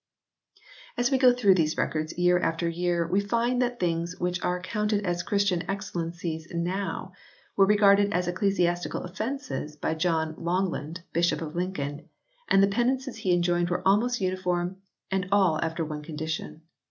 As we go through these records year after year we find that things which are counted as Christian excellences now were regarded as ecclesiastical offences by John Longland, Bishop of Lincoln, and the penances he enjoined were almost uniform and all after one condition.